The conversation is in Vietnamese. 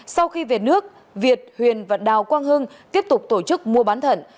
sau khi về nước việt huyền và đào quang hưng tiếp tục tổ chức mua bán thận